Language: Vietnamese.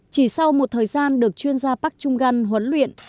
chỉ sau một thời gian được chuyên gia park chung gan huấn luyện